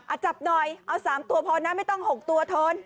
จับหน่อยเอา๓ตัวพอนะไม่ต้อง๖ตัวทน